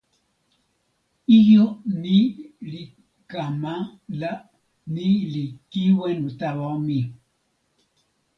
ijo ni li kama la ni li kiwen tawa mi.